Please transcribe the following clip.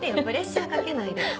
プレッシャーかけないで。